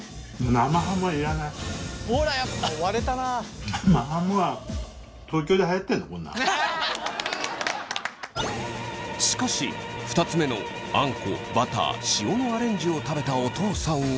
生ハムはしかし２つ目のあんこバター塩のアレンジを食べたお父さんは。